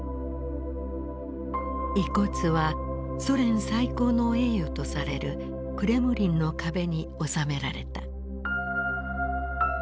遺骨はソ連最高の栄誉とされるクレムリンの壁に納められた。